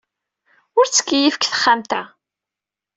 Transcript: Ur ttkeyyif deg texxamt-a.